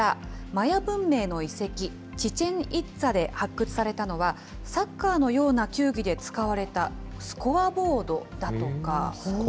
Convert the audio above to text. マヤ文明の遺跡、チチェン・イッツァで発掘されたのは、サッカーのような球技で使われたスコアボードだとか。